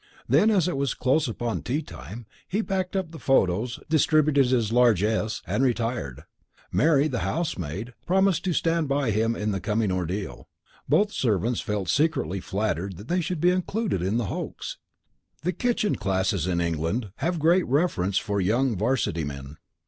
Then, as it was close upon tea time, he packed up the photos, distributed his largesse, and retired. Mary, the housemaid, promised to stand by him in the coming ordeal. Both the servants felt secretly flattered that they should be included in the hoax. The kitchen classes in England have great reverence for young 'varsity men.